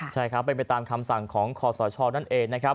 ใช่ครับเป็นไปตามคำสั่งของคอสชนั่นเองนะครับ